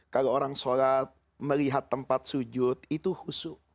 kalau orang sholat melihat tempat sujud itu husu